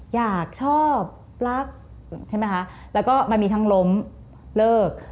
อยากชอบรัก